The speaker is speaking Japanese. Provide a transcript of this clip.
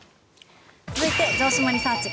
続いて城島リサーチ！